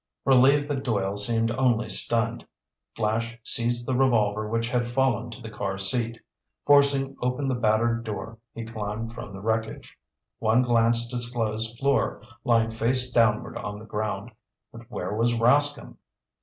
Relieved that Doyle seemed only stunned, Flash seized the revolver which had fallen to the car seat. Forcing open the battered door, he climbed from the wreckage. One glance disclosed Fleur lying face downward on the ground. But where was Rascomb?